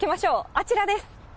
あちらです。